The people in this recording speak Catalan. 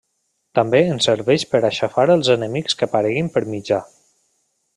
També ens serveix per aixafar als enemics que apareguin per mitjà.